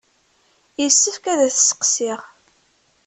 Yessefk ad t-sseqsiɣ.